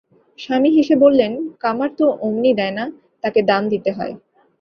স্বামী হেসে বললেন, কামার তো অমনি দেয় না, তাকে দাম দিতে হয়।